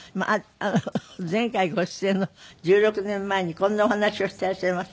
前回ご出演の１６年前にこんなお話をしていらっしゃいます。